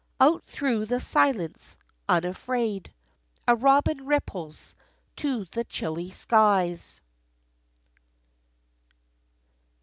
out through the silence, unafraid, A robin ripples to the chilly skies.